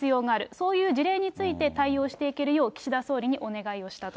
そういう事例について対応していけるよう、岸田総理にお願いをしたと。